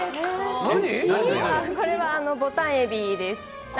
これはボタンエビです。